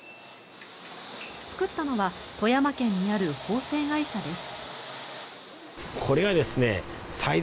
作ったのは富山県にある縫製会社です。